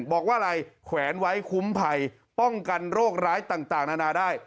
บอกว่าอะไรแขวนไว้คุ้มภัยป้องกันโรคร้ายต่างนานาได้